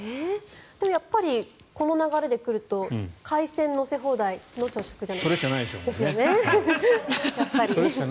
でもやっぱりこの流れで来ると海鮮乗せ放題の朝食じゃないですか？